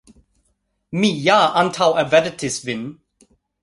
Mi ja antaŭavertis vin